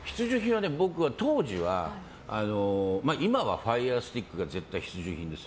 僕は今はファイヤースティックが絶対必需品です。